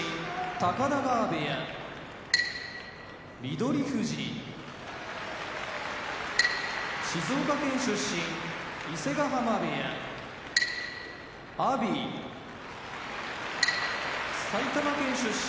翠富士静岡県出身伊勢ヶ濱部屋阿炎埼玉県出身